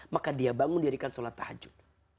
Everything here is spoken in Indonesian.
maka dia bangun dirikan sholat tahajud